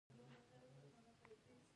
د جوازونو ویش عاید لري